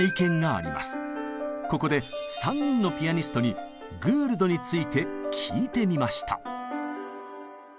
ここで３人のピアニストにグールドについて聞いてみました。